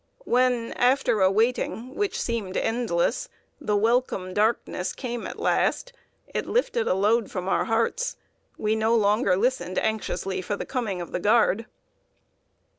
When, after a waiting which seemed endless, the welcome darkness came at last, it lifted a load from our hearts; we no longer listened anxiously for the coming of the Guard.